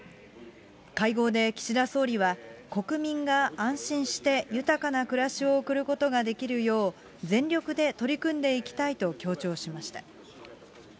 会合で岸田総理は、国民が安心して豊かな暮らしを送ることができるよう全力で取り組んでいきたいと強調しました。